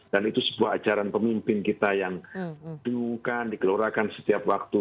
dan itu sebuah ajaran pemimpin kita yang diunggah dikelurakan setiap waktu